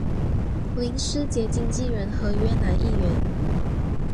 林师杰经理人合约男艺员。